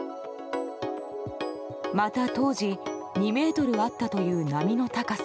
また、当時２ｍあったという波の高さ。